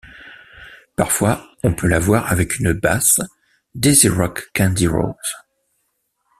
Parfois, on peut la voir avec une basse Daisy Rock Candy rose.